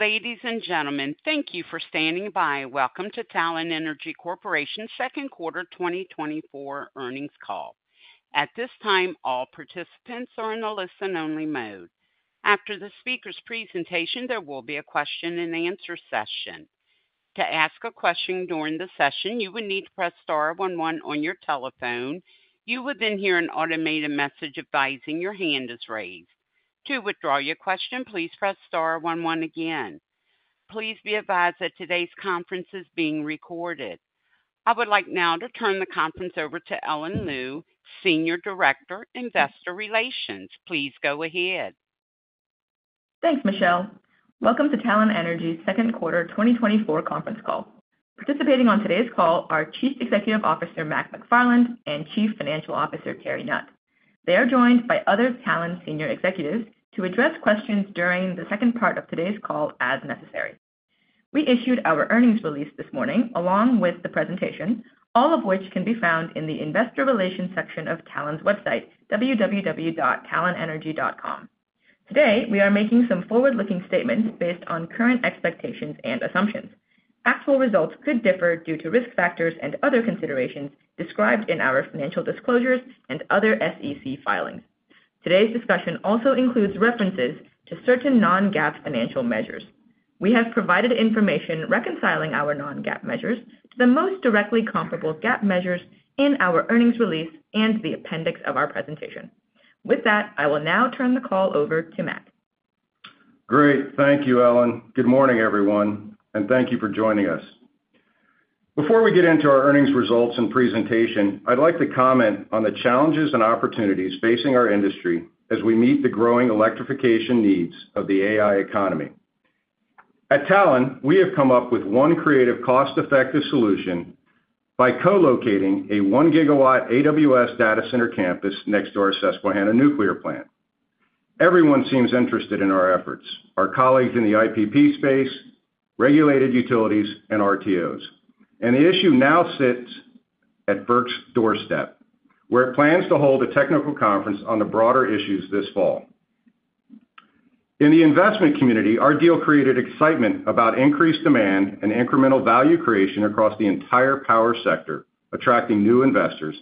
Ladies and gentlemen, thank you for standing by. Welcome to Talen Energy Corporation's Q2 2024 earnings call. At this time, all participants are in a listen-only mode. After the speaker's presentation, there will be a question-and-answer session. To ask a question during the session, you would need to press star one one on your telephone. You would then hear an automated message advising your hand is raised. To withdraw your question, please press star one one again. Please be advised that today's conference is being recorded. I would like now to turn the conference over to Ellen Liu, Senior Director of Investor Relations. Please go ahead. Thanks, Michelle. Welcome to Talen Energy's Q2 2024 Conference Call. Participating on today's call are Chief Executive Officer Mac McFarland and Chief Financial Officer Terry Nutt. They are joined by other Talen senior executives to address questions during the second part of today's call, as necessary. We issued our earnings release this morning, along with the presentation, all of which can be found in the Investor Relations section of Talen's website, www.talenenergy.com. Today, we are making some forward-looking statements based on current expectations and assumptions. Actual results could differ due to risk factors and other considerations described in our financial disclosures and other SEC filings. Today's discussion also includes references to certain non-GAAP financial measures. We have provided information reconciling our non-GAAP measures to the most directly comparable GAAP measures in our earnings release and the appendix of our presentation. With that, I will now turn the call over to Mac. Great. Thank you, Ellen. Good morning, everyone, and thank you for joining us. Before we get into our earnings results and presentation, I'd like to comment on the challenges and opportunities facing our industry as we meet the growing electrification needs of the AI economy. At Talen, we have come up with one creative, cost-effective solution by co-locating a 1-GW AWS data center campus next to our Susquehanna Nuclear Plant. Everyone seems interested in our efforts, our colleagues in the IPP space, regulated utilities, and RTOs. And the issue now sits at FERC's doorstep, where it plans to hold a technical conference on the broader issues this fall. In the investment community, our deal created excitement about increased demand and incremental value creation across the entire power sector, attracting new investors.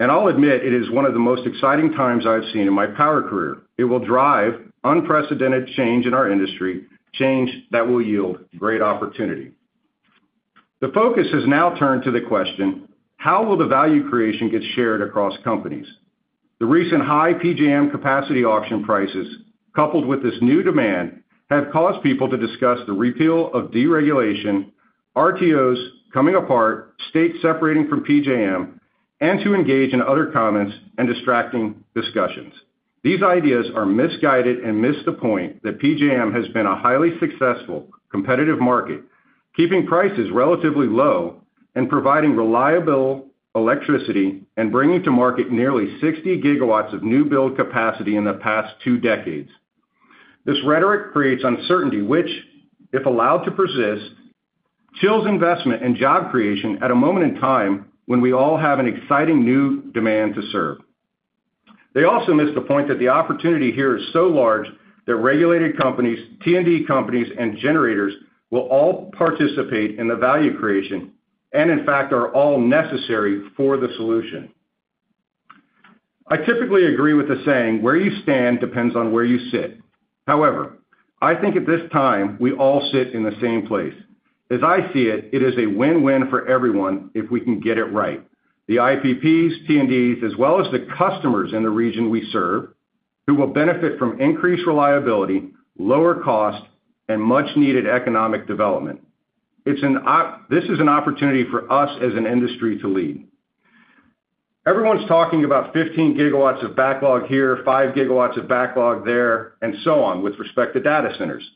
And I'll admit, it is one of the most exciting times I've seen in my power career. It will drive unprecedented change in our industry, change that will yield great opportunity. The focus has now turned to the question: How will the value creation get shared across companies? The recent high PJM capacity auction prices, coupled with this new demand, have caused people to discuss the repeal of deregulation, RTOs coming apart, states separating from PJM, and to engage in other comments and distracting discussions. These ideas are misguided and miss the point that PJM has been a highly successful, competitive market, keeping prices relatively low and providing reliable electricity and bringing to market nearly 60 GW of new build capacity in the past two decades. This rhetoric creates uncertainty, which, if allowed to persist, chills investment and job creation at a moment in time when we all have an exciting new demand to serve. They also miss the point that the opportunity here is so large that regulated companies, T&D companies, and generators will all participate in the value creation, and in fact, are all necessary for the solution. I typically agree with the saying, "Where you stand depends on where you sit." However, I think at this time, we all sit in the same place. As I see it, it is a win-win for everyone if we can get it right. The IPPs, T&Ds, as well as the customers in the region we serve, who will benefit from increased reliability, lower cost, and much-needed economic development. It's an opportunity for us as an industry to lead. Everyone's talking about 15 GW of backlog here, 5 GW of backlog there, and so on, with respect to data centers.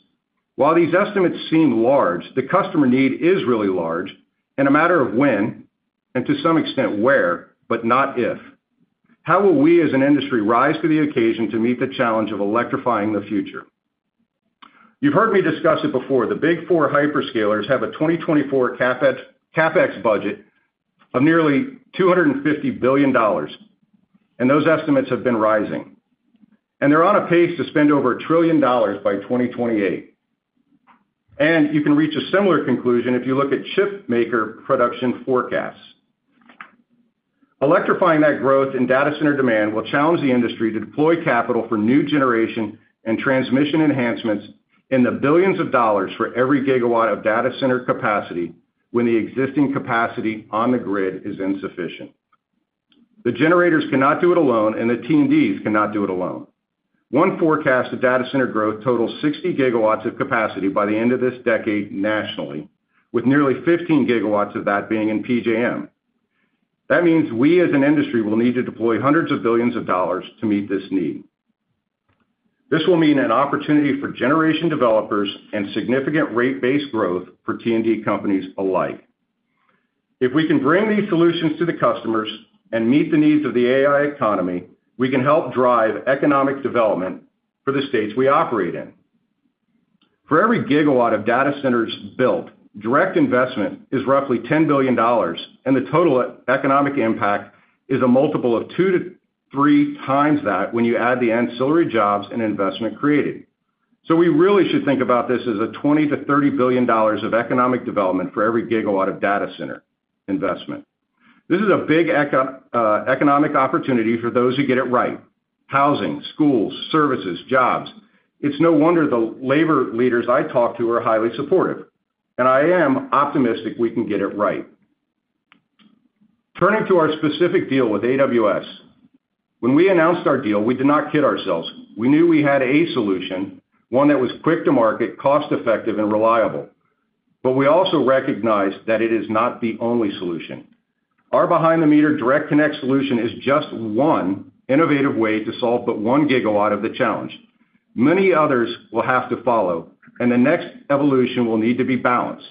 While these estimates seem large, the customer need is really large and a matter of when, and to some extent, where, but not if. How will we, as an industry, rise to the occasion to meet the challenge of electrifying the future? You've heard me discuss it before. The Big Four hyperscalers have a 2024 CapEx budget of nearly $250 billion, and those estimates have been rising. They're on a pace to spend over $1 trillion by 2028. You can reach a similar conclusion if you look at chipmaker production forecasts. Electrifying that growth in data center demand will challenge the industry to deploy capital for new generation and transmission enhancements in the billions of dollars for every gigawatt of data center capacity when the existing capacity on the grid is insufficient. The generators cannot do it alone, and the T&Ds cannot do it alone. One forecast of data center growth totals 60 GW of capacity by the end of this decade nationally, with nearly 15 GW of that being in PJM. That means we, as an industry, will need to deploy $hundreds of billions to meet this need. This will mean an opportunity for generation developers and significant rate-based growth for T&D companies alike. If we can bring these solutions to the customers and meet the needs of the AI economy, we can help drive economic development for the states we operate in. For every gigawatt of data centers built, direct investment is roughly $10 billion, and the total economic impact is a multiple of 2 to 3 times that when you add the ancillary jobs and investment created. So we really should think about this as a $20 billion-$30 billion of economic development for every gigawatt of data center investment. This is a big economic opportunity for those who get it right: housing, schools, services, jobs. It's no wonder the labor leaders I talk to are highly supportive, and I am optimistic we can get it right. Turning to our specific deal with AWS. When we announced our deal, we did not kid ourselves. We knew we had a solution, one that was quick to market, cost-effective, and reliable, but we also recognized that it is not the only solution. Our behind-the-meter direct connect solution is just one innovative way to solve but 1 gigawatt of the challenge. Many others will have to follow, and the next evolution will need to be balanced,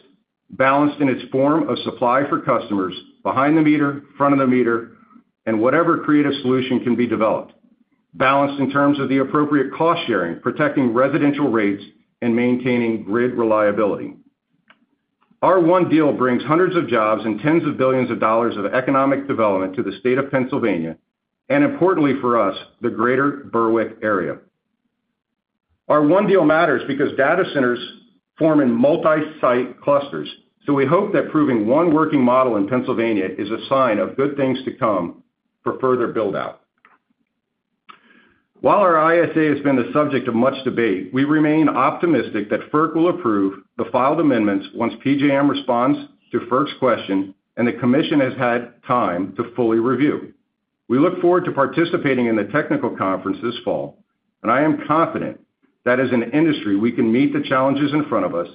balanced in its form of supply for customers, behind the meter, front of the meter, and whatever creative solution can be developed. Balanced in terms of the appropriate cost-sharing, protecting residential rates, and maintaining grid reliability. Our one deal brings hundreds of jobs and tens of billions of dollars of economic development to the state of Pennsylvania, and importantly for us, the greater Berwick area. Our one deal matters because data centers form in multi-site clusters, so we hope that proving one working model in Pennsylvania is a sign of good things to come for further build-out. While our ISA has been the subject of much debate, we remain optimistic that FERC will approve the filed amendments once PJM responds to FERC's question, and the commission has had time to fully review. We look forward to participating in the technical conference this fall, and I am confident that as an industry, we can meet the challenges in front of us,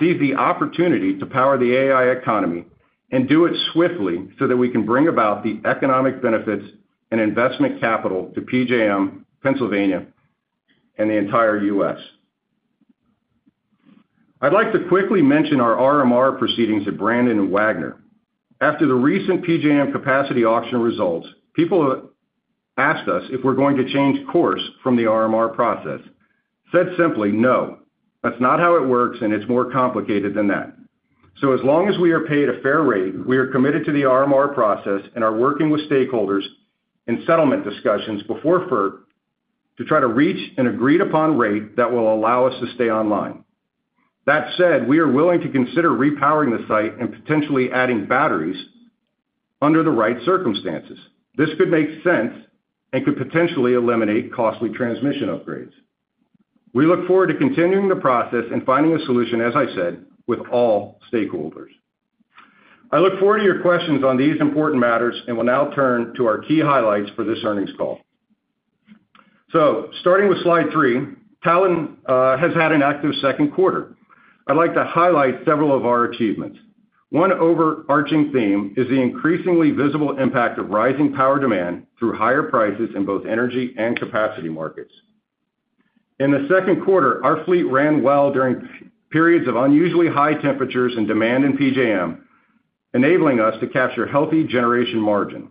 seize the opportunity to power the AI economy, and do it swiftly so that we can bring about the economic benefits and investment capital to PJM, Pennsylvania, and the entire U.S. I'd like to quickly mention our RMR proceedings at Brandon and Wagner. After the recent PJM capacity auction results, people have asked us if we're going to change course from the RMR process. Said simply, no. That's not how it works, and it's more complicated than that. So as long as we are paid a fair rate, we are committed to the RMR process and are working with stakeholders in settlement discussions before FERC to try to reach an agreed-upon rate that will allow us to stay online. That said, we are willing to consider repowering the site and potentially adding batteries under the right circumstances. This could make sense and could potentially eliminate costly transmission upgrades. We look forward to continuing the process and finding a solution, as I said, with all stakeholders. I look forward to your questions on these important matters and will now turn to our key highlights for this earnings call. So starting with slide three, Talen has had an active Q2. I'd like to highlight several of our achievements. One overarching theme is the increasingly visible impact of rising power demand through higher prices in both energy and capacity markets. In the Q2, our fleet ran well during periods of unusually high temperatures and demand in PJM, enabling us to capture healthy generation margin,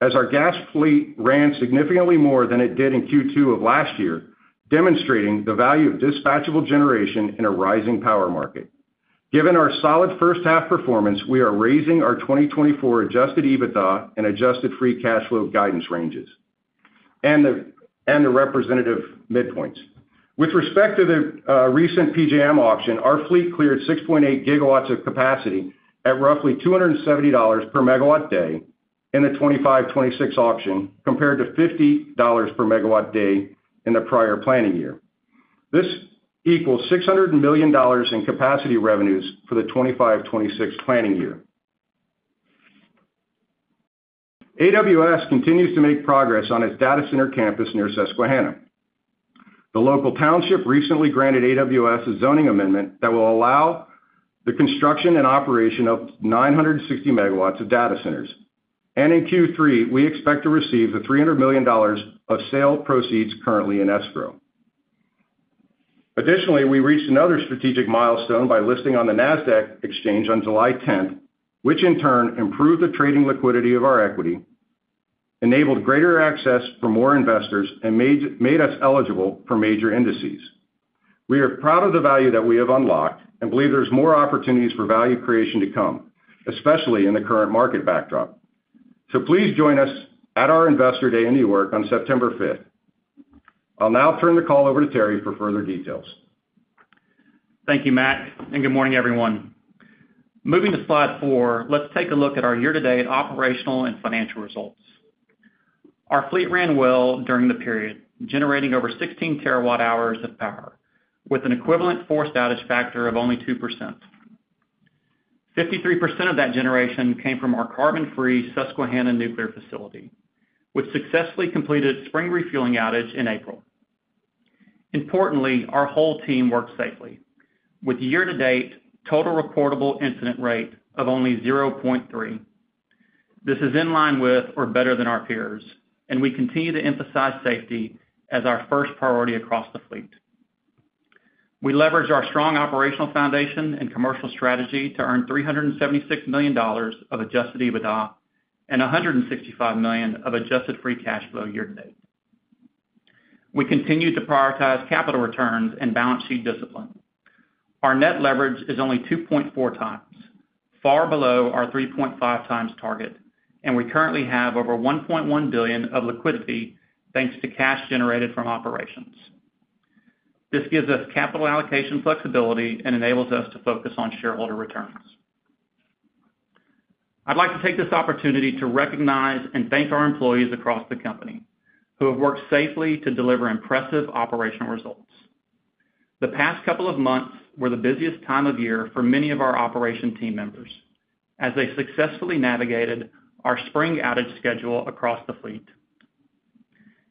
as our gas fleet ran significantly more than it did in Q2 of last year, demonstrating the value of dispatchable generation in a rising power market. Given our solid first half performance, we are raising our 2024 Adjusted EBITDA and Adjusted Free Cash Flow guidance ranges, and the representative midpoints. With respect to the recent PJM auction, our fleet cleared 6.8 GW of capacity at roughly $270 per MW-day in the 2025-26 auction, compared to $50 per MW-day in the prior planning year. This equals $600 million in capacity revenues for the 2025-26 planning year. AWS continues to make progress on its data center campus near Susquehanna. The local township recently granted AWS a zoning amendment that will allow the construction and operation of 960 MW of data centers. And in Q3, we expect to receive $300 million of sale proceeds currently in escrow. Additionally, we reached another strategic milestone by listing on the Nasdaq exchange on July 10, which in turn improved the trading liquidity of our equity, enabled greater access for more investors, and made us eligible for major indices. We are proud of the value that we have unlocked and believe there's more opportunities for value creation to come, especially in the current market backdrop. So please join us at our Investor Day in New York on September 5. I'll now turn the call over to Terry for further details. Thank you, Mac, and good morning, everyone. Moving to slide four, let's take a look at our year-to-date operational and financial results. Our fleet ran well during the period, generating over 16 TWh of power, with an equivalent forced outage factor of only 2%. 53% of that generation came from our carbon-free Susquehanna Nuclear facility, which successfully completed spring refueling outage in April. Importantly, our whole team worked safely, with year-to-date total reportable incident rate of only 0.3. This is in line with or better than our peers, and we continue to emphasize safety as our first priority across the fleet. We leveraged our strong operational foundation and commercial strategy to earn $376 million of Adjusted EBITDA and $165 million of adjusted free cash flow year to date. We continue to prioritize capital returns and balance sheet discipline. Our net leverage is only 2.4 times, far below our 3.5 times target, and we currently have over $1.1 billion of liquidity, thanks to cash generated from operations. This gives us capital allocation flexibility and enables us to focus on shareholder returns. I'd like to take this opportunity to recognize and thank our employees across the company, who have worked safely to deliver impressive operational results. The past couple of months were the busiest time of year for many of our operation team members, as they successfully navigated our spring outage schedule across the fleet.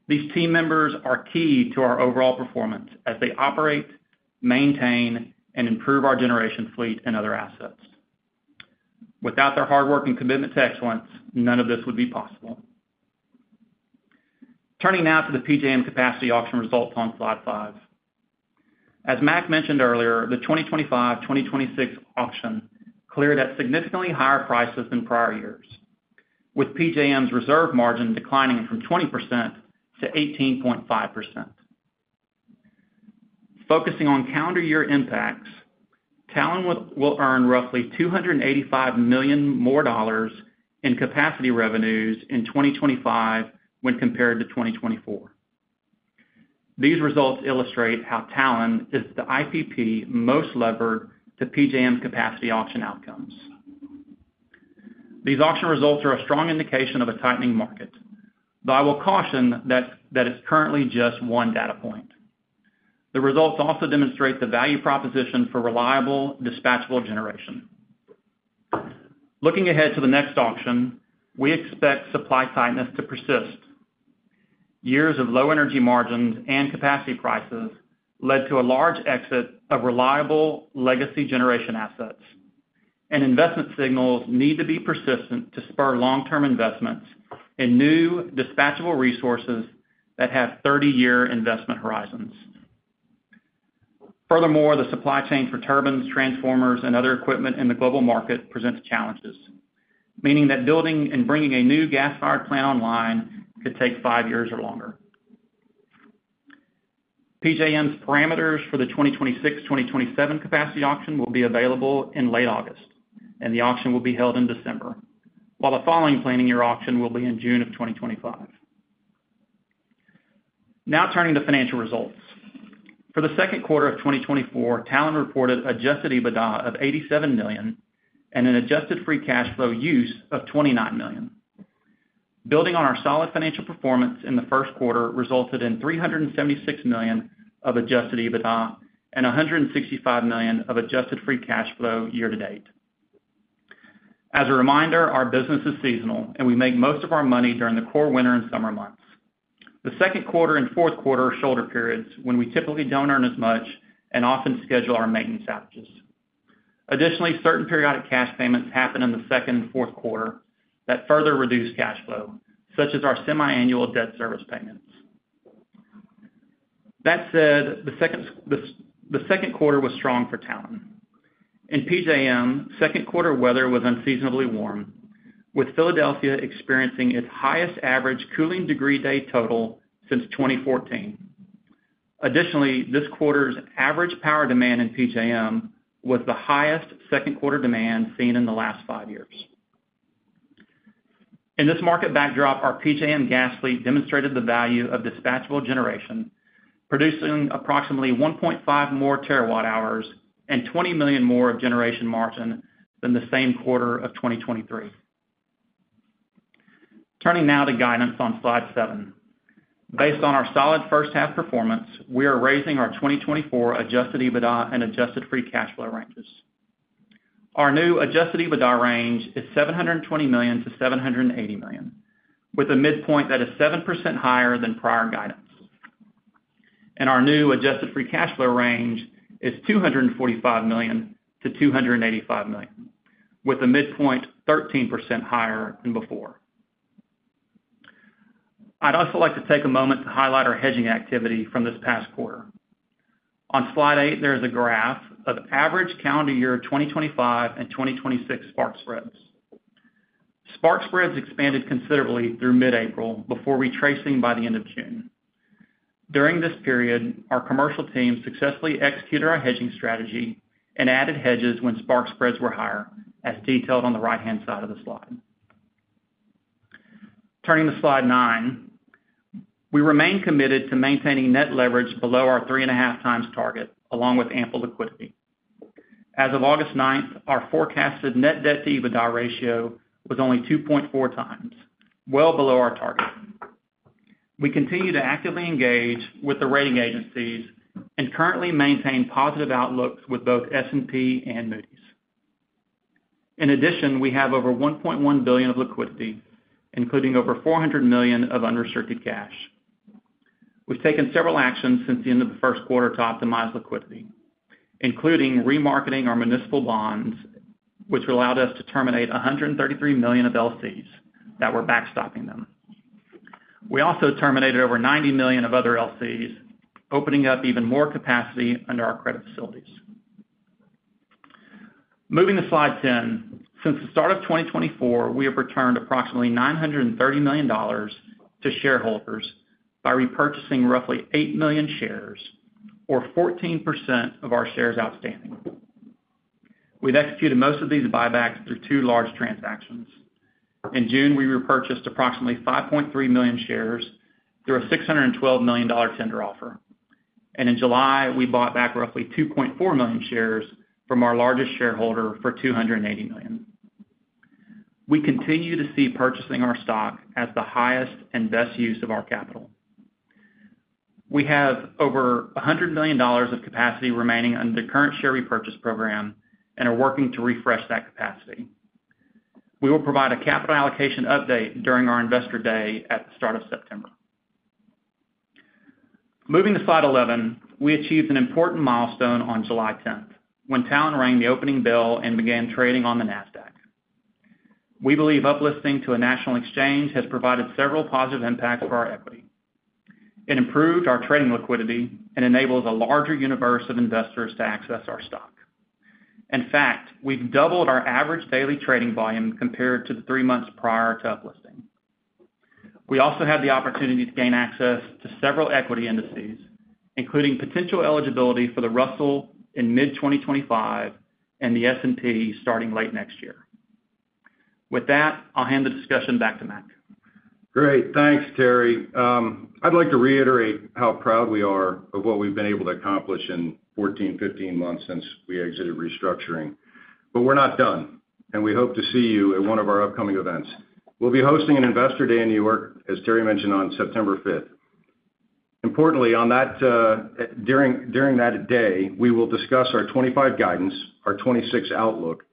These team members are key to our overall performance as they operate, maintain, and improve our generation fleet and other assets. Without their hard work and commitment to excellence, none of this would be possible. Turning now to the PJM capacity auction results on Slide 5. As Mac mentioned earlier, the 2025/2026 auction cleared at significantly higher prices than prior years, with PJM's reserve margin declining from 20% to 18.5%. Focusing on calendar year impacts, Talen will earn roughly $285 million more in capacity revenues in 2025 when compared to 2024. These results illustrate how Talen is the IPP most levered to PJM's capacity auction outcomes. These auction results are a strong indication of a tightening market, but I will caution that it's currently just one data point. The results also demonstrate the value proposition for reliable, dispatchable generation. Looking ahead to the next auction, we expect supply tightness to persist. Years of low energy margins and capacity prices led to a large exit of reliable legacy generation assets, and investment signals need to be persistent to spur long-term investments in new, dispatchable resources that have 30-year investment horizons. Furthermore, the supply chain for turbines, transformers, and other equipment in the global market presents challenges, meaning that building and bringing a new gas-fired plant online could take 5 years or longer. PJM's parameters for the 2026/2027 capacity auction will be available in late August, and the auction will be held in December, while the following planning year auction will be in June of 2025. Now turning to financial results. For the Q2 of 2024, Talen reported adjusted EBITDA of $87 million and an adjusted free cash flow use of $29 million. Building on our solid financial performance in the Q1 resulted in $376 million of Adjusted EBITDA and $165 million of Adjusted Free Cash Flow year to date. As a reminder, our business is seasonal, and we make most of our money during the core winter and summer months. The Q2 and Q4 are shoulder periods when we typically don't earn as much and often schedule our maintenance outages. Additionally, certain periodic cash payments happen in the second and Q4 that further reduce cash flow, such as our semiannual debt service payments. That said, the Q2 was strong for Talen. In PJM, Q2 weather was unseasonably warm, with Philadelphia experiencing its highest average cooling degree day total since 2014. Additionally, this quarter's average power demand in PJM was the highest Q2 demand seen in the last five years. In this market backdrop, our PJM gas fleet demonstrated the value of dispatchable generation, producing approximately 1.5 more TWh and $20 million more of generation margin than the same quarter of 2023. Turning now to guidance on Slide 7. Based on our solid first half performance, we are raising our 2024 Adjusted EBITDA and Adjusted Free Cash Flow ranges. Our new Adjusted EBITDA range is $720 million-$780 million, with a midpoint that is 7% higher than prior guidance. Our new Adjusted Free Cash Flow range is $245 million-$285 million, with a midpoint 13% higher than before. I'd also like to take a moment to highlight our hedging activity from this past quarter. On Slide 8, there is a graph of average calendar year 2025 and 2026 spark spreads. Spark spreads expanded considerably through mid-April before retracing by the end of June. During this period, our commercial team successfully executed our hedging strategy and added hedges when spark spreads were higher, as detailed on the right-hand side of the slide. Turning to Slide 9, we remain committed to maintaining net leverage below our 3.5x target, along with ample liquidity. As of August 9, our forecasted net debt to EBITDA ratio was only 2.4x, well below our target. We continue to actively engage with the rating agencies and currently maintain positive outlooks with both S&P and Moody's. In addition, we have over $1.1 billion of liquidity, including over $400 million of unrestricted cash. We've taken several actions since the end of the Q1 to optimize liquidity, including remarketing our municipal bonds, which allowed us to terminate $133 million of LCs that were backstopping them. We also terminated over $90 million of other LCs, opening up even more capacity under our credit facilities.... Moving to slide 10. Since the start of 2024, we have returned approximately $930 million to shareholders by repurchasing roughly 8 million shares, or 14% of our shares outstanding. We've executed most of these buybacks through two large transactions. In June, we repurchased approximately 5.3 million shares through a $612 million tender offer. In July, we bought back roughly 2.4 million shares from our largest shareholder for $280 million. We continue to see purchasing our stock as the highest and best use of our capital. We have over $100 million of capacity remaining under the current share repurchase program and are working to refresh that capacity. We will provide a capital allocation update during our Investor Day at the start of September. Moving to slide 11. We achieved an important milestone on July tenth, when Talen rang the opening bell and began trading on the Nasdaq. We believe uplisting to a national exchange has provided several positive impacts for our equity. It improved our trading liquidity and enables a larger universe of investors to access our stock. In fact, we've doubled our average daily trading volume compared to the 3 months prior to uplisting. We also had the opportunity to gain access to several equity indices, including potential eligibility for the Russell in mid-2025 and the S&P starting late next year. With that, I'll hand the discussion back to Mac. Great. Thanks, Terry. I'd like to reiterate how proud we are of what we've been able to accomplish in 14-15 months since we exited restructuring. But we're not done, and we hope to see you at one of our upcoming events. We'll be hosting an Investor Day in New York, as Terry mentioned, on September fifth. Importantly, on that, during that day, we will discuss our 25 guidance, our 26 outlook,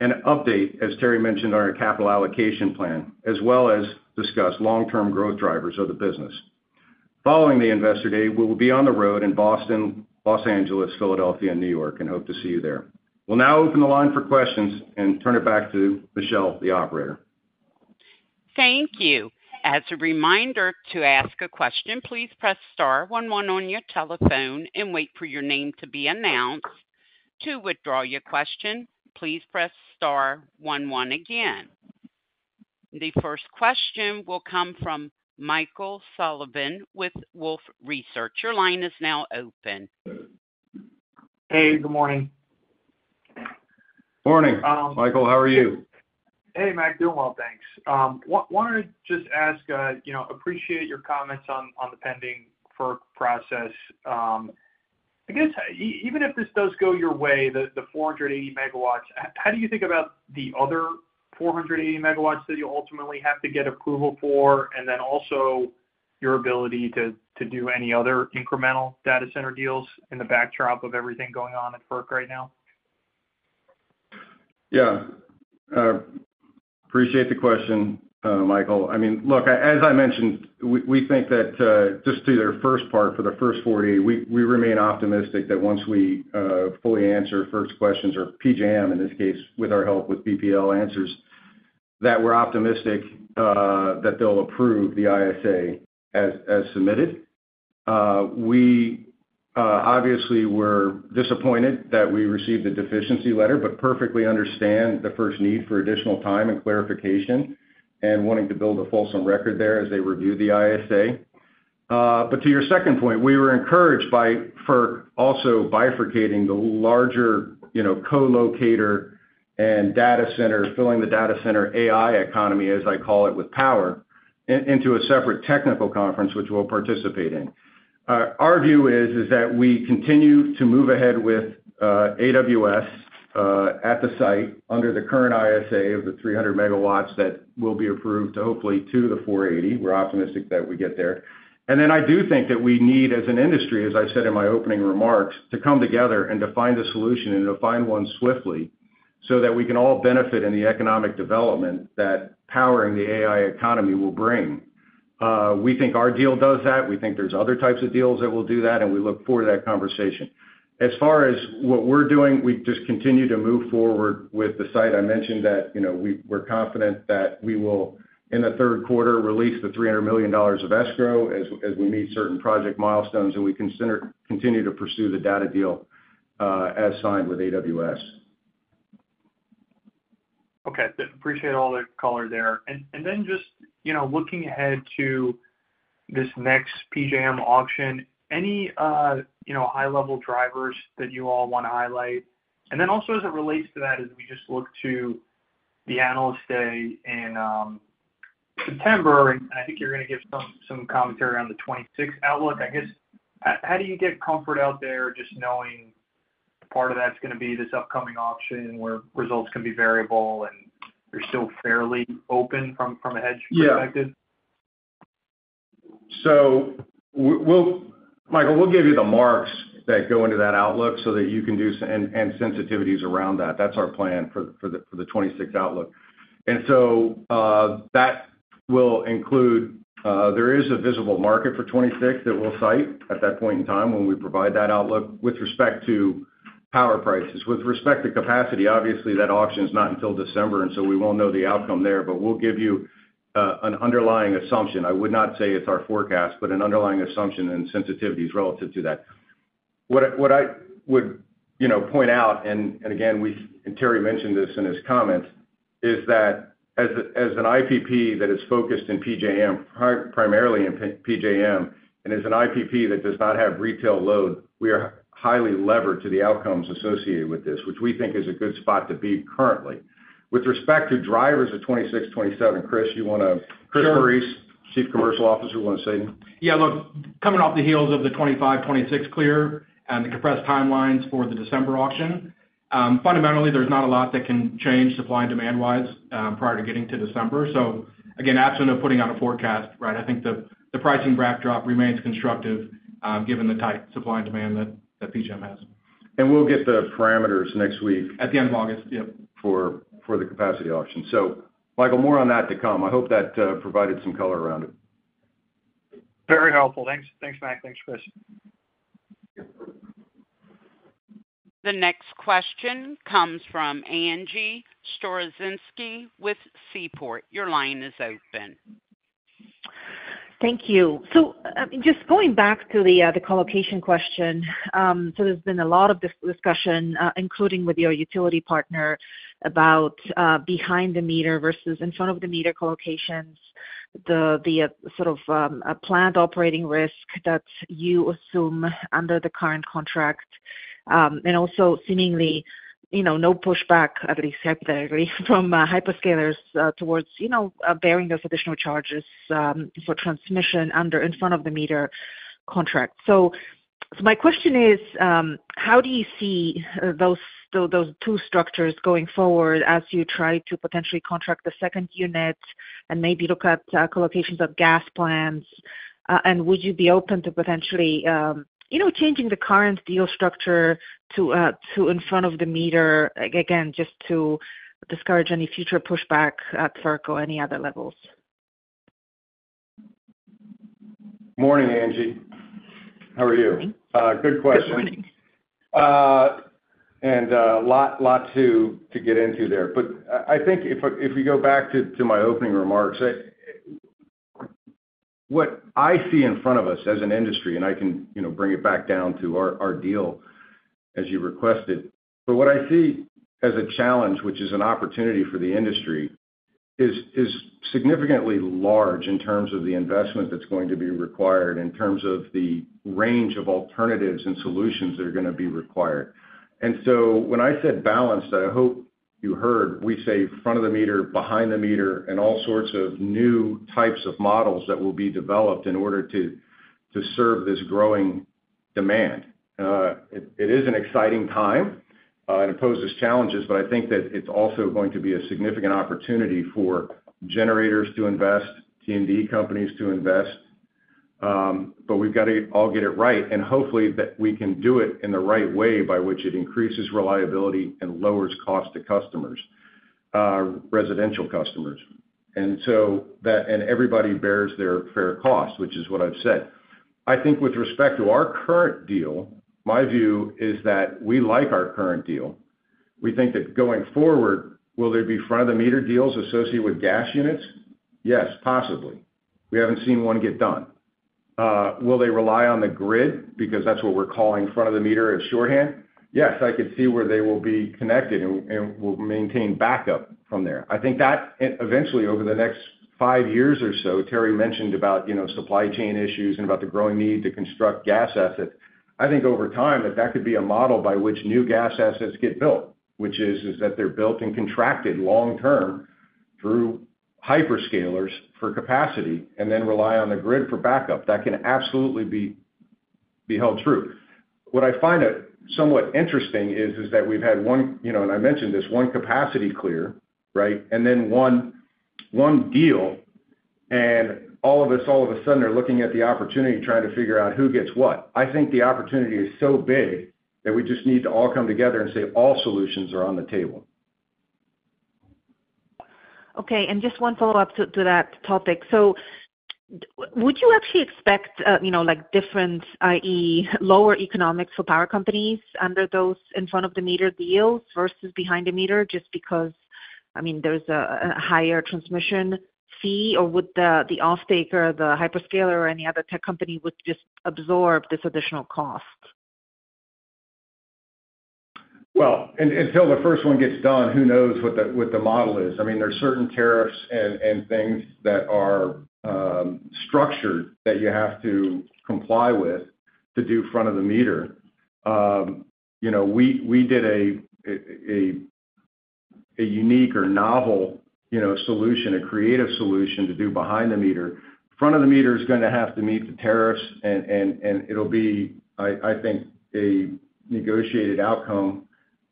and update, as Terry mentioned, on our capital allocation plan, as well as discuss long-term growth drivers of the business. Following the Investor Day, we will be on the road in Boston, Los Angeles, Philadelphia, and New York, and hope to see you there. We'll now open the line for questions and turn it back to Michelle, the operator. Thank you. As a reminder to ask a question, please press star one one on your telephone and wait for your name to be announced. To withdraw your question, please press star one one again. The first question will come from Michael Sullivan with Wolfe Research. Your line is now open. Hey, good morning. Morning, Michael. How are you? Hey, Mac. Doing well, thanks. Wanted to just ask, you know, appreciate your comments on the pending FERC process. I guess, even if this does go your way, the 480 MW, how do you think about the other 480 MW that you'll ultimately have to get approval for, and then also your ability to do any other incremental data center deals in the backdrop of everything going on at FERC right now? Yeah. Appreciate the question, Michael. I mean, look, as I mentioned, we think that, just to their first part, for the first 480, we remain optimistic that once we fully answer FERC's questions, or PJM, in this case, with our help, with PPL answers, that we're optimistic that they'll approve the ISA as submitted. Obviously, we're disappointed that we received a deficiency letter, but perfectly understand the FERC's need for additional time and clarification and wanting to build a fulsome record there as they review the ISA. But to your second point, we were encouraged by FERC also bifurcating the larger, you know, co-locator and data center, fueling the data center AI economy, as I call it, with power, into a separate technical conference, which we'll participate in. Our view is that we continue to move ahead with AWS at the site under the current ISA of the 300 MW that will be approved, hopefully, to the 480. We're optimistic that we get there. And then I do think that we need, as an industry, as I said in my opening remarks, to come together and to find a solution and to find one swiftly, so that we can all benefit in the economic development that powering the AI economy will bring. We think our deal does that. We think there's other types of deals that will do that, and we look forward to that conversation. As far as what we're doing, we just continue to move forward with the site. I mentioned that, you know, we're confident that we will, in the Q3, release the $300 million of escrow as we meet certain project milestones, and we continue to pursue the data deal as signed with AWS. Okay. Appreciate all the color there. And then just, you know, looking ahead to this next PJM auction, any, you know, high-level drivers that you all want to highlight? And then also, as it relates to that, as we just look to the Analyst Day in September, and I think you're going to give some commentary on the 2026 outlook, I guess, how do you get comfort out there, just knowing part of that's going to be this upcoming auction, where results can be variable and you're still fairly open from a hedge perspective? Yeah. So we'll... Michael, we'll give you the marks that go into that outlook so that you can do sensitivities around that. That's our plan for the 2026 outlook. And so, that will include, there is a visible market for 2026 that we'll cite at that point in time when we provide that outlook with respect to power prices. With respect to capacity, obviously, that auction is not until December, and so we won't know the outcome there, but we'll give you an underlying assumption. I would not say it's our forecast, but an underlying assumption and sensitivities relative to that.... What I would, you know, point out, and again, we and Terry mentioned this in his comments, is that as an IPP that is focused in PJM, primarily in PJM, and as an IPP that does not have retail load, we are highly levered to the outcomes associated with this, which we think is a good spot to be currently. With respect to drivers of 2026, 2027, Christopher, you want to, Christopher Morice, Chief Commercial Officer, you want to say? Yeah, look, coming off the heels of the 2025, 2026 clear and the compressed timelines for the December auction, fundamentally, there's not a lot that can change supply and demand-wise, prior to getting to December. So again, absent of putting out a forecast, right, I think the, the pricing backdrop remains constructive, given the tight supply and demand that, that PJM has. We'll get the parameters next week. At the end of August, yep. For the capacity auction. So Michael, more on that to come. I hope that provided some color around it. Very helpful. Thanks. Thanks, Matt. Thanks, Christopher. The next question comes from Angie Storozynski with Seaport. Your line is open. Thank you. So just going back to the co-location question. So there's been a lot of discussion, including with your utility partner, about behind the meter versus in front of the meter co-locations, the sort of a plant operating risk that you assume under the current contract. And also seemingly, you know, no pushback, at least from hyperscalers, towards, you know, bearing those additional charges for transmission under in front of the meter contract. So my question is, how do you see those two structures going forward as you try to potentially contract the second unit and maybe look at co-locations of gas plants? Would you be open to potentially, you know, changing the current deal structure to in front of the meter, again, just to discourage any future pushback at FERC or any other levels? Morning, Angie. How are you? Morning. Good question. Good morning. And a lot to get into there. But I think if we go back to my opening remarks, I... What I see in front of us as an industry, and I can, you know, bring it back down to our deal as you requested. But what I see as a challenge, which is an opportunity for the industry, is significantly large in terms of the investment that's going to be required, in terms of the range of alternatives and solutions that are going to be required. And so when I said balanced, I hope you heard we say front of the meter, behind the meter, and all sorts of new types of models that will be developed in order to serve this growing demand. It is an exciting time, and it poses challenges, but I think that it's also going to be a significant opportunity for generators to invest, T&D companies to invest. But we've got to all get it right, and hopefully, that we can do it in the right way by which it increases reliability and lowers cost to customers, residential customers. And so that and everybody bears their fair cost, which is what I've said. I think with respect to our current deal, my view is that we like our current deal. We think that going forward, will there be front-of-the-meter deals associated with gas units? Yes, possibly. We haven't seen one get done. Will they rely on the grid? Because that's what we're calling front of the meter as shorthand. Yes, I could see where they will be connected and will maintain backup from there. I think that, and eventually, over the next 5 years or so, Terry mentioned about, you know, supply chain issues and about the growing need to construct gas assets. I think over time, that could be a model by which new gas assets get built, which is that they're built and contracted long term through hyperscalers for capacity and then rely on the grid for backup. That can absolutely be held true. What I find somewhat interesting is that we've had one, you know, and I mentioned this, one capacity clear, right? And then one deal, and all of us, all of a sudden, are looking at the opportunity, trying to figure out who gets what. I think the opportunity is so big that we just need to all come together and say all solutions are on the table. Okay, and just one follow-up to that topic. So would you actually expect, you know, like, different, i.e., lower economics for power companies under those front of the meter deals versus behind the meter, just because, I mean, there's a higher transmission fee? Or would the offtaker, the hyperscaler, or any other tech company just absorb this additional cost? Well, until the first one gets done, who knows what the model is? I mean, there are certain tariffs and things that are structured that you have to comply with to do Front-of-the-Meter. You know, we did a unique or novel solution, a creative solution to do Behind-the-Meter. Front-of-the-Meter is going to have to meet the tariffs, and it'll be, I think, a negotiated outcome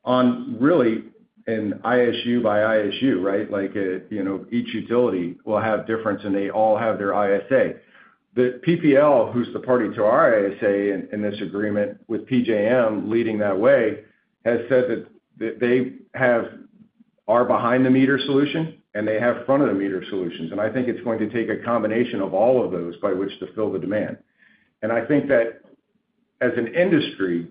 on really an ISA by ISA, right? Like, you know, each utility will have difference, and they all have their ISA. The PPL, who's the party to our ISA in this agreement with PJM leading that way, has said that they have our Behind-the-Meter solution, and they have Front-of-the-Meter solutions. And I think it's going to take a combination of all of those by which to fill the demand. And I think that as an industry,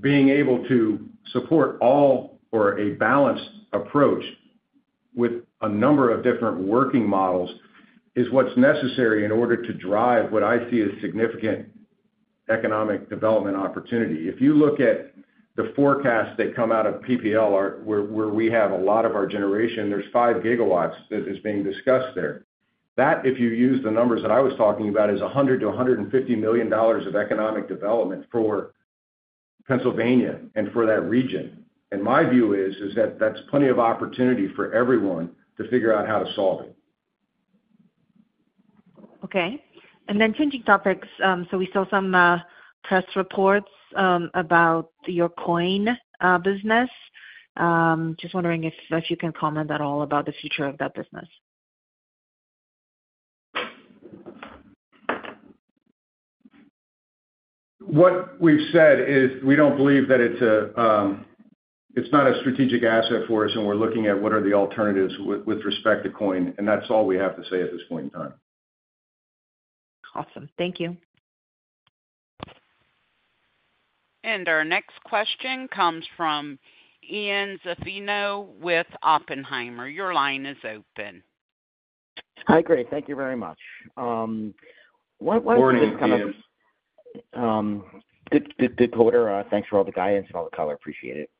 being able to support all or a balanced approach with a number of different working models is what's necessary in order to drive what I see as significant economic development opportunity. If you look at the forecasts that come out of PPL where we have a lot of our generation, there's 5 GW that is being discussed there. That, if you use the numbers that I was talking about, is $100 million-$150 million of economic development for Pennsylvania and for that region. And my view is, is that that's plenty of opportunity for everyone to figure out how to solve it. Okay. Then changing topics, so we saw some press reports about your coal business. Just wondering if you can comment at all about the future of that business? What we've said is, we don't believe that it's not a strategic asset for us, and we're looking at what are the alternatives with respect to coal, and that's all we have to say at this point in time. Awesome. Thank you. Our next question comes from Ian Zaffino with Oppenheimer. Your line is open. Hi, great. Thank you very much. What- Morning, Ian. Good, good, good quarter. Thanks for all the guidance and all the color. Appreciate it.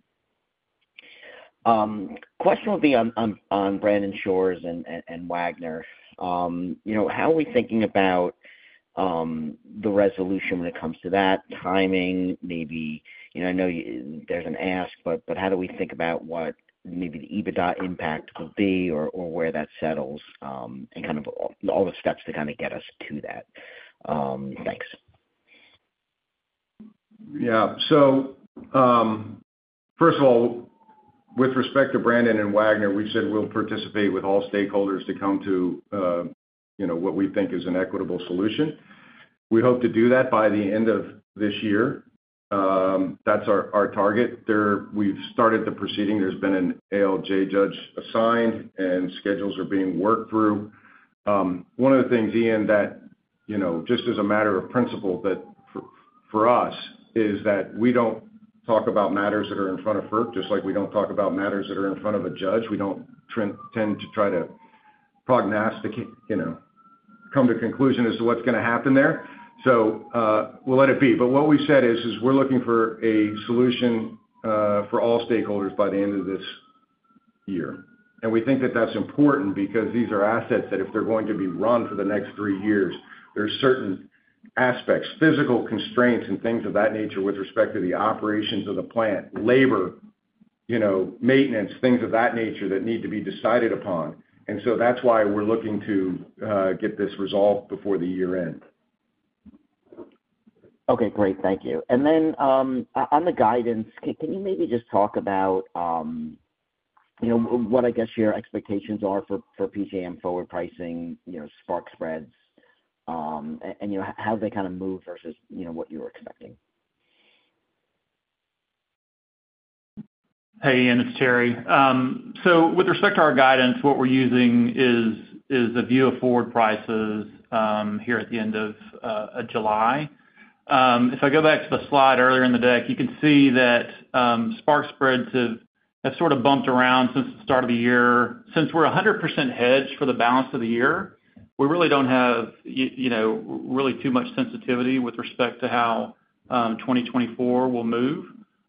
Question will be on Brandon Shores and Wagner. You know, how are we thinking about the resolution when it comes to that timing? Maybe, you know, I know there's an ask, but how do we think about what maybe the EBITDA impact could be or where that settles, and kind of all the steps to kind of get us to that? Thanks. Yeah. So, first of all, with respect to Brandon and Wagner, we've said we'll participate with all stakeholders to come to, you know, what we think is an equitable solution. We hope to do that by the end of this year. That's our target. There, we've started the proceeding. There's been an ALJ judge assigned, and schedules are being worked through. One of the things, Ian, that, you know, just as a matter of principle, that for us is that we don't talk about matters that are in front of FERC, just like we don't talk about matters that are in front of a judge. We don't tend to try to prognosticate, you know, come to a conclusion as to what's gonna happen there. So, we'll let it be. But what we said is we're looking for a solution for all stakeholders by the end of this year. And we think that that's important because these are assets that if they're going to be run for the next three years, there are certain aspects, physical constraints and things of that nature with respect to the operations of the plant, labor, you know, maintenance, things of that nature, that need to be decided upon. And so that's why we're looking to get this resolved before the year end. Okay, great. Thank you. And then, on the guidance, can you maybe just talk about, you know, what I guess, your expectations are for, for PJM forward pricing, you know, spark spreads, and, and, you know, how they kind of move versus, you know, what you were expecting? Hey, Ian, it's Terry. So with respect to our guidance, what we're using is a view of forward prices here at the end of July. If I go back to the slide earlier in the deck, you can see that spark spreads have sort of bumped around since the start of the year. Since we're 100% hedged for the balance of the year, we really don't have you know, really too much sensitivity with respect to how 2024 will move.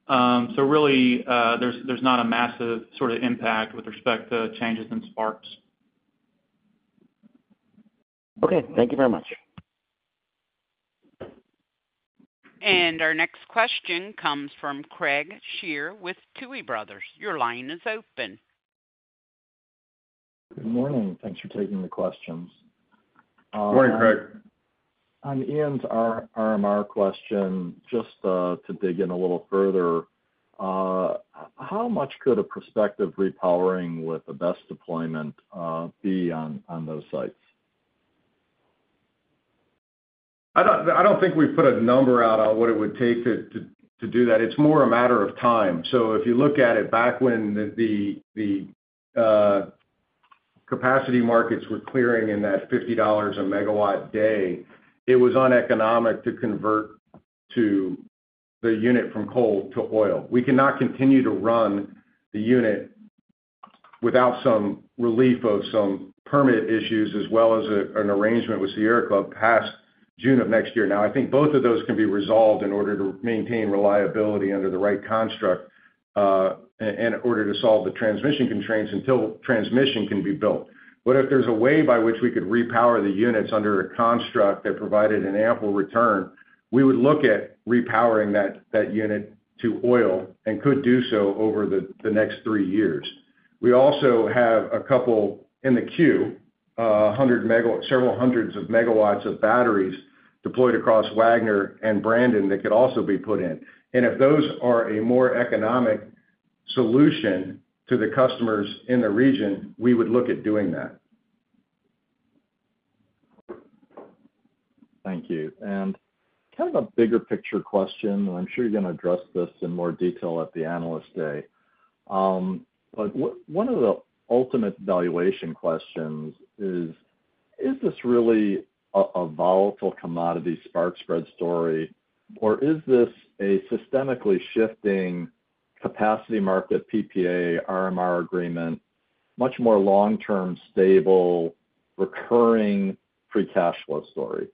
So really, there's not a massive sort of impact with respect to changes in sparks. Okay, thank you very much. Our next question comes from Craig Shere with Tuohy Brothers. Your line is open. Good morning. Thanks for taking the questions. Morning, Craig. On Ian's RMR question, just to dig in a little further, how much could a prospective repowering with the best deployment be on those sites? I don't think we've put a number out on what it would take to do that. It's more a matter of time. So if you look at it back when the capacity markets were clearing in that $50 a megawatt day, it was uneconomic to convert the unit from coal to oil. We cannot continue to run the unit without some relief of some permit issues, as well as an arrangement with Sierra Club past June of next year. Now, I think both of those can be resolved in order to maintain reliability under the right construct, and in order to solve the transmission constraints until transmission can be built. But if there's a way by which we could repower the units under a construct that provided an ample return, we would look at repowering that unit to oil and could do so over the next 3 years. We also have a couple in the queue, 100 MW - several hundred MW of batteries deployed across Wagner and Brandon that could also be put in. And if those are a more economic solution to the customers in the region, we would look at doing that. Thank you. Kind of a bigger picture question, I'm sure you're going to address this in more detail at the Investor Day. But one of the ultimate valuation questions is: Is this really a volatile commodity spark spread story, or is this a systemically shifting capacity market, PPA, RMR agreement, much more long-term, stable, recurring free cash flow story?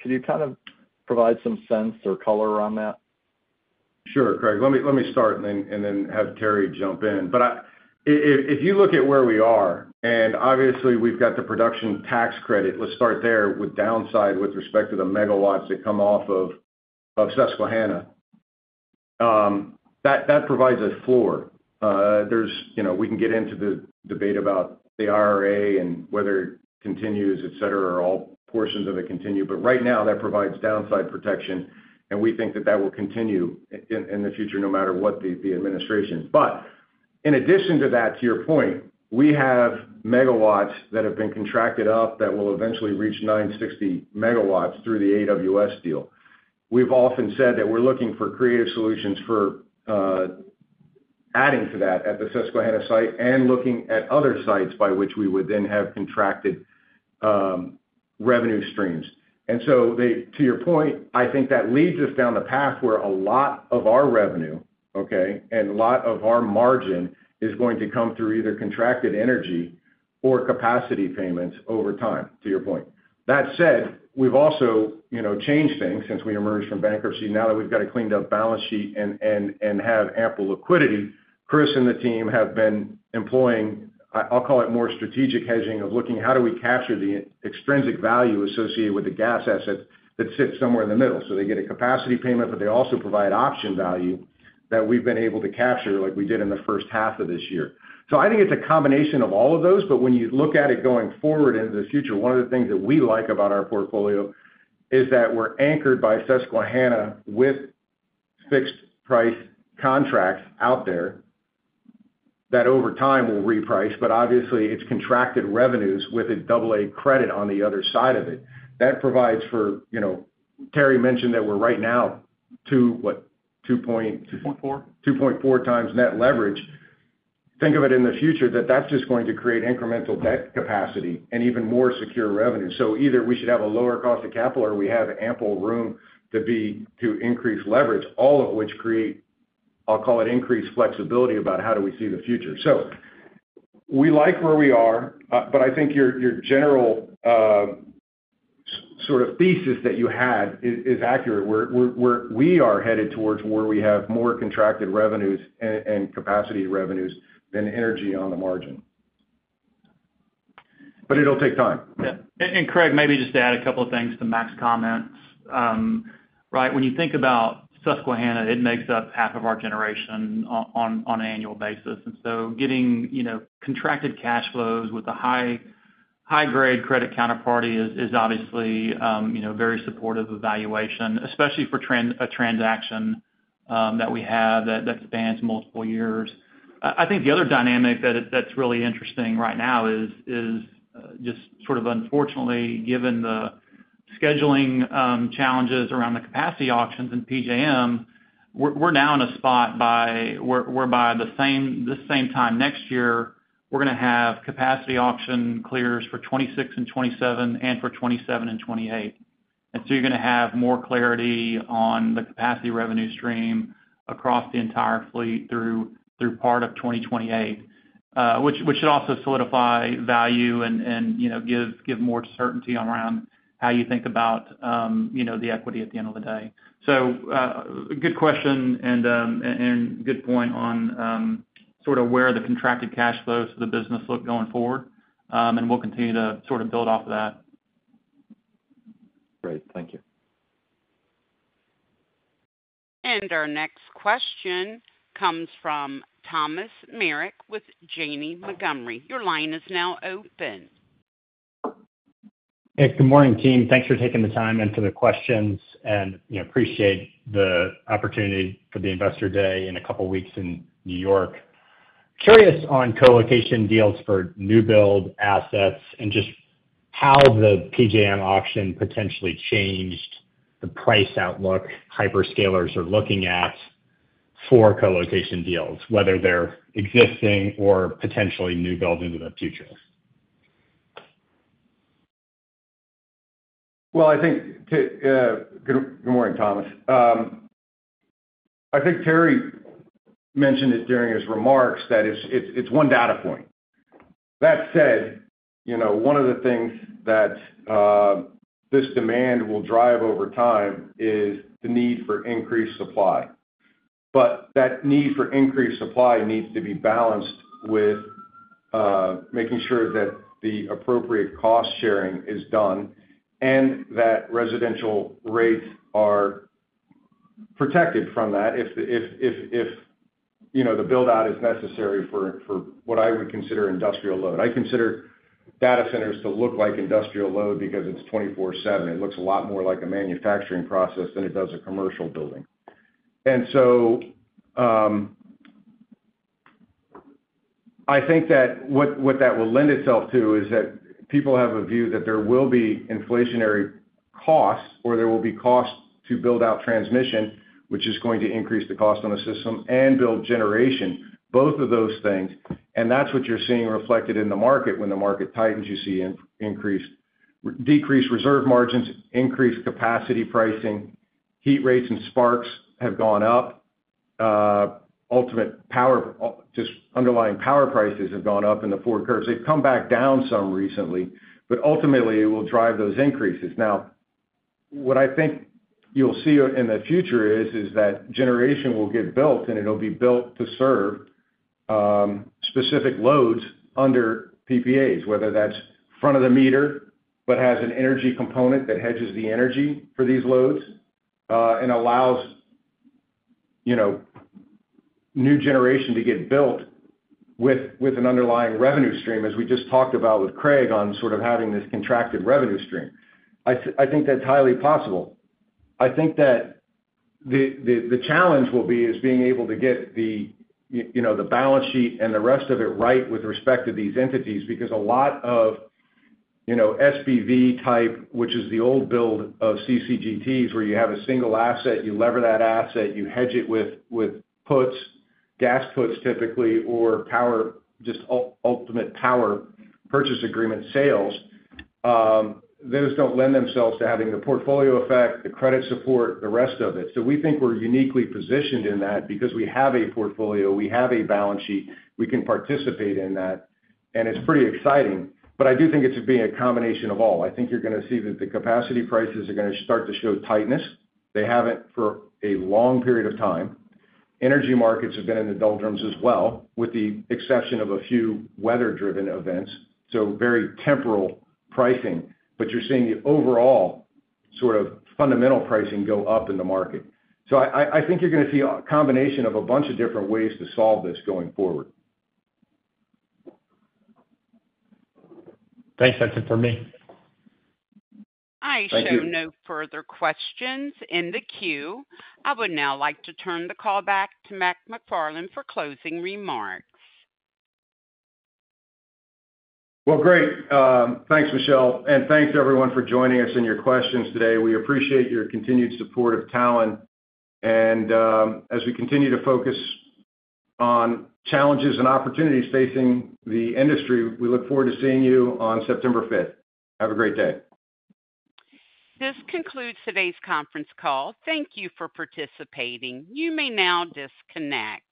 Can you kind of provide some sense or color around that? Sure, Craig, let me start and then have Terry jump in. But if you look at where we are, and obviously we've got the Production Tax Credit, let's start there, with downside with respect to the megawatts that come off of Susquehanna, that provides a floor. There's you know, we can get into the debate about the IRA and whether it continues, et cetera, or all portions of it continue, but right now, that provides downside protection, and we think that that will continue in the future, no matter what the administration. But in addition to that, to your point, we have megawatts that have been contracted up that will eventually reach 960 megawatts through the AWS deal. We've often said that we're looking for creative solutions for adding to that at the Susquehanna site and looking at other sites by which we would then have contracted revenue streams. And so to your point, I think that leads us down the path where a lot of our revenue, okay, and a lot of our margin is going to come through either contracted energy or capacity payments over time, to your point. That said, we've also, you know, changed things since we emerged from bankruptcy. Now that we've got a cleaned-up balance sheet and have ample liquidity, Christopher and the team have been employing, I'll call it, more strategic hedging of looking at how do we capture the extrinsic value associated with the gas asset that sits somewhere in the middle. So they get a capacity payment, but they also provide option value that we've been able to capture, like we did in the first half of this year. So I think it's a combination of all of those, but when you look at it going forward into the future, one of the things that we like about our portfolio is that we're anchored by Susquehanna with fixed-price contracts out there, that over time will reprice, but obviously, it's contracted revenues with a double A credit on the other side of it. That provides for, you know—Terry mentioned that we're right now to, what? 2 point- 2.4. 2.4 times net leverage. Think of it in the future, that that's just going to create incremental debt capacity and even more secure revenue. So either we should have a lower cost of capital, or we have ample room to be-- to increase leverage, all of which create, I'll call it, increased flexibility about how do we see the future. So we like where we are, but I think your, your general, sort of thesis that you had is, is accurate. We're, we are headed towards where we have more contracted revenues and, and capacity revenues than energy on the margin. But it'll take time. Yeah. And Craig, maybe just to add a couple of things to Mac's comments. Right, when you think about Susquehanna, it makes up half of our generation on an annual basis. And so getting, you know, contracted cash flows with a high, high-grade credit counterparty is, is obviously, you know, very supportive of valuation, especially for a transaction that we have that spans multiple years. I think the other dynamic that's really interesting right now is just sort of unfortunately, given the scheduling challenges around the capacity auctions in PJM, we're now in a spot where by the same time next year, we're going to have capacity auction clears for 2026 and 2027, and for 2027 and 2028. And so you're going to have more clarity on the capacity revenue stream across the entire fleet through part of 2028, which should also solidify value and, you know, give more certainty around how you think about, you know, the equity at the end of the day. So, good question and good point on sort of where the contracted cash flows of the business look going forward, and we'll continue to sort of build off of that. Great. Thank you. Our next question comes from Thomas Meric with Janney Montgomery. Your line is now open. Hey, good morning, team. Thanks for taking the time and for the questions, and, you know, appreciate the opportunity for the Investor Day in a couple of weeks in New York. Curious on co-location deals for new build assets and just how the PJM auction potentially changed the price outlook hyperscalers are looking at for co-location deals, whether they're existing or potentially new build into the future? Good morning, Thomas. I think Terry mentioned it during his remarks that it's one data point. That said, you know, one of the things that this demand will drive over time is the need for increased supply. But that need for increased supply needs to be balanced with making sure that the appropriate cost-sharing is done and that residential rates are protected from that, if you know, the build-out is necessary for what I would consider industrial load. I consider data centers to look like industrial load because it's 24/7. It looks a lot more like a manufacturing process than it does a commercial building. And so, I think that what that will lend itself to is that people have a view that there will be inflationary... costs or there will be costs to build out transmission, which is going to increase the cost on the system and build generation, both of those things, and that's what you're seeing reflected in the market. When the market tightens, you see decreased reserve margins, increased capacity pricing, heat rates and sparks have gone up. Ultimate power, just underlying power prices have gone up in the forward curves. They've come back down some recently, but ultimately, it will drive those increases. Now, what I think you'll see in the future is that generation will get built, and it'll be built to serve specific loads under PPAs, whether that's front of the meter, but has an energy component that hedges the energy for these loads, and allows, you know, new generation to get built with an underlying revenue stream, as we just talked about with Craig on sort of having this contracted revenue stream. I think that's highly possible. I think that the challenge will be is being able to get the, you know, the balance sheet and the rest of it right with respect to these entities, because a lot of, you know, SPV type, which is the old build of CCGTs, where you have a single asset, you lever that asset, you hedge it with, with puts, gas puts, typically, or power, just ultimate power purchase agreement sales. Those don't lend themselves to having the portfolio effect, the credit support, the rest of it. So we think we're uniquely positioned in that because we have a portfolio, we have a balance sheet, we can participate in that, and it's pretty exciting. But I do think it should be a combination of all. I think you're going to see that the capacity prices are going to start to show tightness. They haven't for a long period of time. Energy markets have been in the doldrums as well, with the exception of a few weather-driven events, so very temporary pricing, but you're seeing the overall sort of fundamental pricing go up in the market. So I think you're going to see a combination of a bunch of different ways to solve this going forward. Thanks. That's it for me. Thank you. I show no further questions in the queue. I would now like to turn the call back to Mac McFarland for closing remarks. Well, great. Thanks, Michelle, and thanks to everyone for joining us and your questions today. We appreciate your continued support of Talen. As we continue to focus on challenges and opportunities facing the industry, we look forward to seeing you on September fifth. Have a great day. This concludes today's Conference Call. Thank you for participating. You may now disconnect.